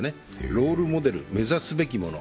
ロールモデル、目指すべきもの。